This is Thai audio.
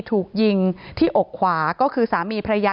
ถูกยิงที่อกขวาก็คือสามีภรรยา